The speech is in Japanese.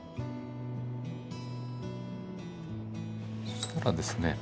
そしたらですね